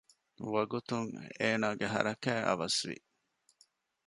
ވަގުތުން އޭނާގެ ހަރަކާތް އަވަސްވި